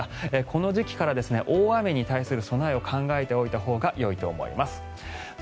この時期から大雨に対する備えを考えておいたほうがよいと思います。